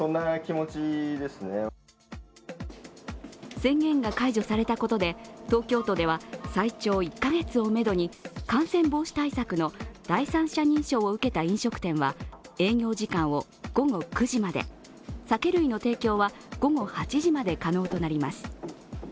宣言が解除されたことで、東京都では最長１カ月をめどに感染防止対策の第三者認証を受けた飲食店は営業時間を午後９時まで、酒類の提供は午後８時まで可能となります。